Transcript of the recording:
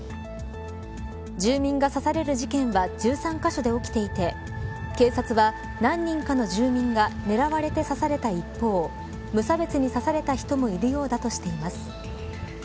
住民が刺される事件は１３カ所で起きていて警察は何人かの住民が狙われて刺された一方無差別に刺された人もいるようだとしています。